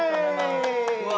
うわ！